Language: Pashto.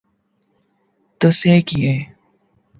ته څوک ېې